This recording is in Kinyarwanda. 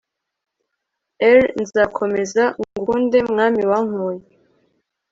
r/ nzakomeza ngukunde, mwami wankuye